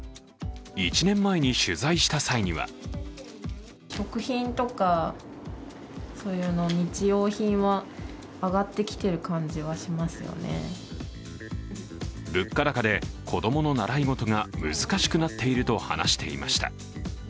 １年前に取材した際には物価高で子供の習い事が難しくなっていると話していました。